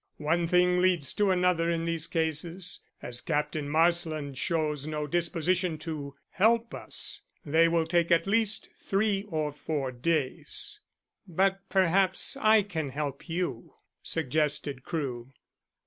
"One thing leads to another in these cases. As Captain Marsland shows no disposition to help us, they will take at least three or four days." "But perhaps I can help you," suggested Crewe.